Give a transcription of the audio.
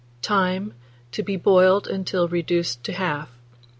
Time. To be boiled until reduced to half.